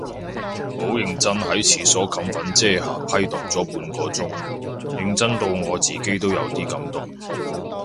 好認真喺廁所冚粉遮瑕批蕩咗半個鐘，認真到我自己都有啲感動